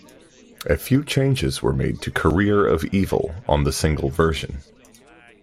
A few changes were made to "Career of Evil" on the single version.